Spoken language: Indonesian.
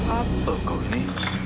apa kau begini